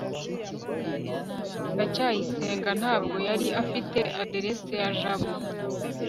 ndacyayisenga ntabwo yari afite aderesi ya jabo